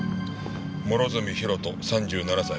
諸角博人３７歳。